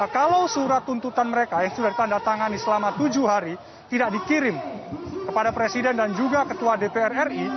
kalau surat tuntutan mereka yang sudah ditandatangani selama tujuh hari tidak dikirim kepada presiden dan juga ketua dpr ri